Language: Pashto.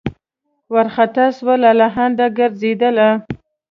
وارخطا سوه لالهانده ګرځېدله